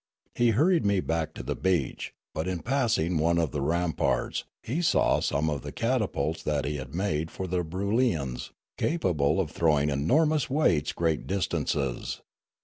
He hurried me back to the beach ; but in passing one of the ramparts he saw some of the catapults that he had made for the Broolyians, capable of throwing enor mous weights to great distances.